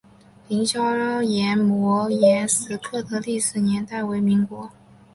凌霄岩摩崖石刻的历史年代为民国。